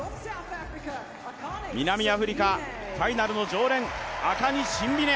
南アフリカファイナルの常連アカニ・シンビネ。